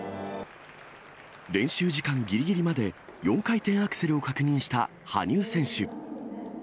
練習時間ぎりぎりまで、４回転アクセルを確認した羽生選手。